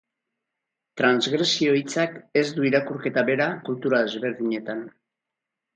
Transgresio hitzak ez du irakurketa bera kultura desberdinetan.